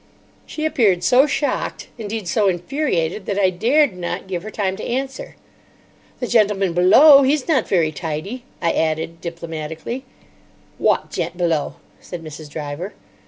She appeared so shocked—indeed, so infuriated, that I dared not give her time to answer. "The gentleman below, he's not very tidy," I added diplomatically. "Wot gent below?" said Mrs. Driver.